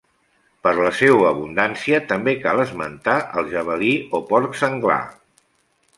Per la seua abundància també cal esmentar el javalí o porc senglar.